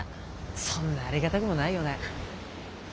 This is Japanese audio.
そんなありがたくもないよね。